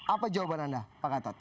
apa jawaban anda pak gatot